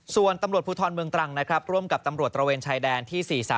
ส่วนตำรวจภูทรเมืองตรังนะครับร่วมกับตำรวจตระเวนชายแดนที่๔๓